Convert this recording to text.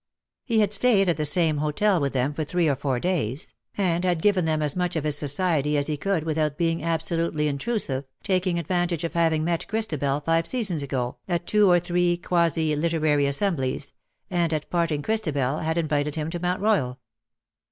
He had stayed at the same hotel with them for three or four days, and had 144 '^ TIME TURNS THE OLD DAYS TO DERISIOn/^ given them as mucli of his society as he could without being absolutely intrusive, taking advantage of having met Christabel five seasons ago_, at two or three quasi literary assemblies ; and at parting Christabel had invited him to Mount Royal.